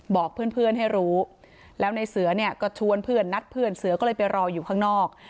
บอกเพื่อนให้รู้แล้วในเสือเนี่ยก็ชวนเพื่อนนัดเพื่อนเสือก็เลยไปรออยู่ข้างนอก